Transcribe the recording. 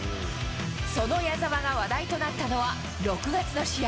その矢澤が話題となったのは、６月の試合。